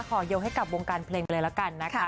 ขอยกให้กับวงการเพลงไปเลยละกันนะคะ